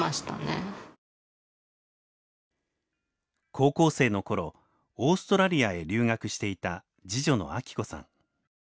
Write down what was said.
高校生の頃オーストラリアへ留学していた次女の安芸子さん。